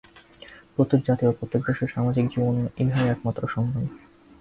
প্রত্যেক জাতি ও প্রত্যেক দেশের সামাজিক জীবনে ইহাই একমাত্র সংগ্রাম।